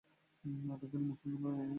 রাজস্থানী মুসলমানরা মূলত সুন্নি।